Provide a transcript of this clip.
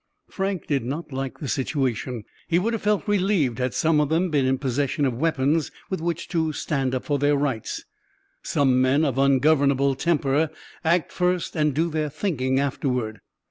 Frank did not like the situation. He would have felt relieved had some of them been in possession of weapons with which to stand up for their rights. Some men of ungovernable temper act first and do their thinking afterward.